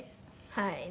はい。